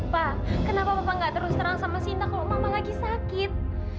pa kenapa papa gak terus terang sama sinta kalau mama lagi sakit